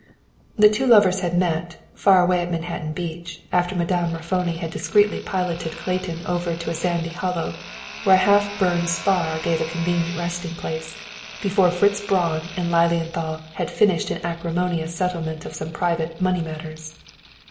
The two lovers had met, far away at Manhattan Beach, after Madame Raffoni had discreetly piloted Clayton over to a sandy hollow where a half burned spar gave a convenient resting place, before Fritz Braun and Lilienthal had finished an acrimonious settlement of some private money matters.